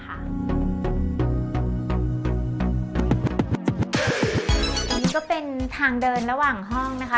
อันนี้ก็เป็นทางเดินระหว่างห้องนะคะ